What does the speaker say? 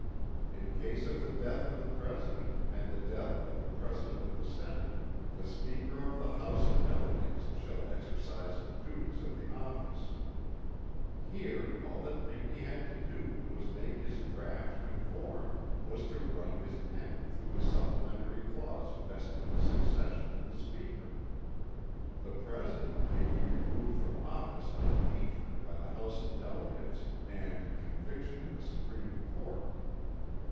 In case of the death of the President and the death of the President of the Senate, "the Speaker of the House of Delegates shall exercise the duties of the office." Here all that Pinckney had to do to make his draught conform was to run his pen through the supplementary clause vesting the succession in the Speaker. The President may be removed from office on impeachment by the House of Delegates and "conviction in the Supreme Court."